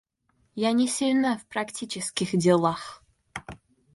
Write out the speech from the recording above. Я не сильна в практических делах.